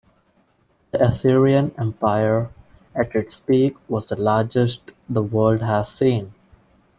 The Assyrian Empire, at its peak, was the largest the world had seen.